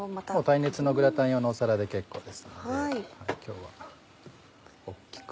耐熱のグラタン用の皿で結構ですので今日は大っきく。